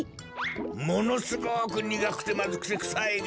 ものすごくにがくてまずくてくさいが。